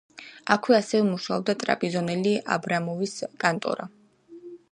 აქვე ასევე მუშაობდა ტრაპიზონელი აბრამოვის კანტორა.